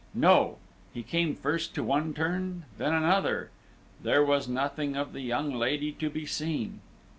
No. He came first to one turn, then another. There was nothing of the young lady to be seen.